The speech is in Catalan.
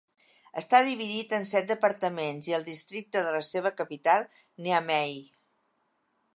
Està dividit en set departaments i el districte de la seva capital, Niamey.